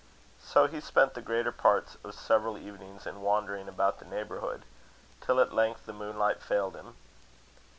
So he spent the greater parts of several evenings in wandering about the neighbourhood; till at length the moonlight failed him.